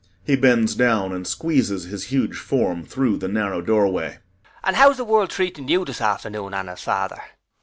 [He bends down and squeezes his huge form through the narrow doorway.] And how is the world treating you this afternoon, Anna's father?